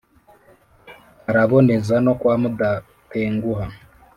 araboneza no kwa mudatenguha,